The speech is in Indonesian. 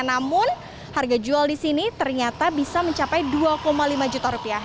namun harga jual di sini ternyata bisa mencapai dua lima juta rupiah